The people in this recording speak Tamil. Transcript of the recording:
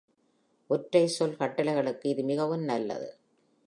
ஒற்றை சொல் கட்டளைகளுக்கு இது மிகவும் நல்லது.